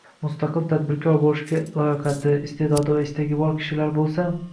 mustaqil tadbirkor bo‘lishga layoqati, iste’dodi va istagi bor kishilar bo‘lsa